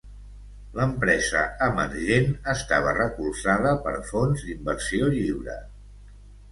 L'empresa emergent estava recolzada per fons d'inversió lliure.